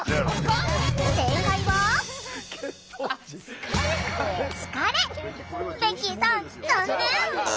うんベッキーさん残念！